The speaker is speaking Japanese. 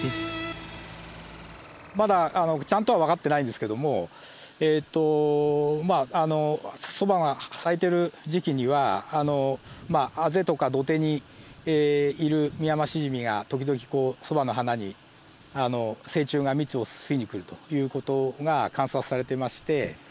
まだちゃんとはわかってないんですけどもそばが咲いている時期にはあぜとか土手にいるミヤマシジミが時々そばの花に成虫が蜜を吸いに来るという事が観察されていまして。